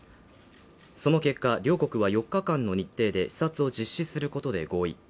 その結果、両国は４日間の日程で視察を実施することで合意。